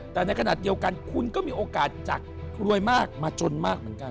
แต่ในขณะเดียวกันคุณก็มีโอกาสจากรวยมากมาจนมากเหมือนกัน